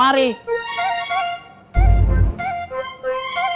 aku di engkau